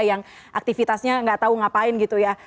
yang aktivitasnya gak tau ngapain gitu ya